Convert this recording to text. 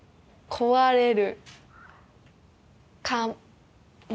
壊れる。